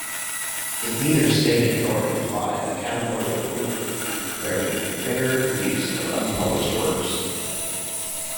It neither stated nor implied a categorical rule barring fair use of unpublished works.